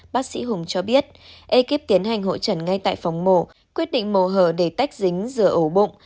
bác sĩ hùng cho biết ekip tiến hành hội trần ngay tại phòng mổ quyết định mổ hở để tách dính rửa ổ bụng